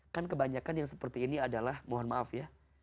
kan kebanyakan yang seperti ini adalah mohon maaf ya